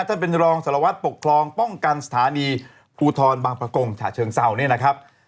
ท่านเป็นรองสารวัตรปกครองป้องกันสถานีภูทรบางประกงฉะเชิงเศร้าเนี่ยนะครับ